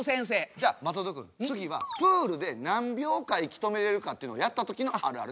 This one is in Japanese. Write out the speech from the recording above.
じゃあ松本君次はプールで何秒間息止めれるかっていうのやった時のあるあるね。